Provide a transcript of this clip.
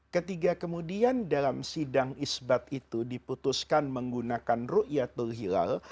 ketiga kemudian dalam sidang isbat itu diputuskan menggunakan ru'iyatul hilal